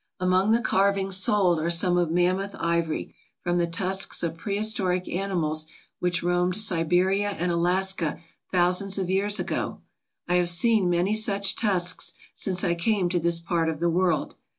Among the carvings sold are some of mammoth ivory from the tusks of prehistoric animals which roamed Siberia and Alaska thousands of years ago. I have seen many such tusks since I came to this part of the world.